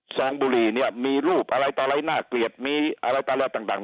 ซองบุรีมีรูปอะไรต่อละน่าเกลียดมีอะไรต่อละต่าง